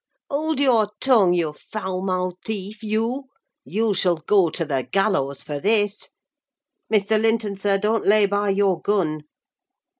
Hold your tongue, you foul mouthed thief, you! you shall go to the gallows for this. Mr. Linton, sir, don't lay by your gun.